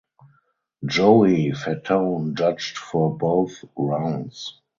Joey Fatone judged for both rounds.